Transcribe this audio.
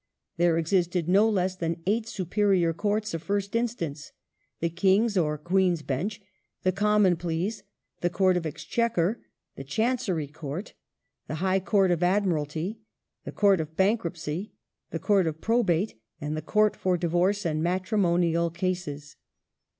There existed no less than eight superior Courts of First Instance : the King's (or Queen's) Bench, the Common Pleas, the Court of Exchequer, the Chancery Court, the High Court of Admiralty, the Court of Bank ruptcy, the Court of Probate, and the Court for Divorce and Mat rimonial Cases.